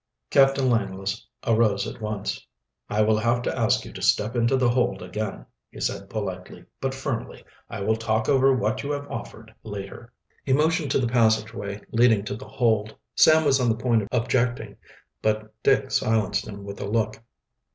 Captain Langless arose at once. "I will have to ask you to step into the hold again," he said politely, but firmly. "I will talk over what you have offered later." He motioned to the passageway leading to the hold. Sam was on the point of objecting, but Dick silenced him with a look.